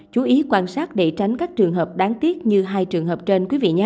chú ý quan sát để tránh các trường hợp đáng tiếc như hai trường hợp trên